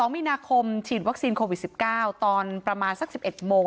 ๒มีนาคมฉีดวัคซีนโควิด๑๙ตอนประมาณสัก๑๑โมง